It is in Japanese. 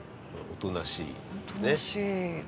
おとなしい。